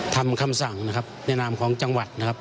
ทำคำสั่งในที่นามของจังหวัด